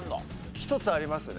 １つありますね。